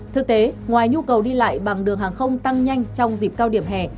thực tế ngoài nhu cầu đi lại bằng đường hàng không tăng nhanh trong dịp cao điểm hè